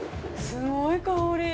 ◆すごい香り！